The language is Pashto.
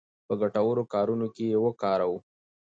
په ګټورو کارونو کې یې وکاروو.